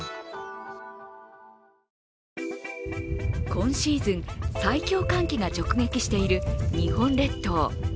今シーズン、最強寒気が直撃している日本列島。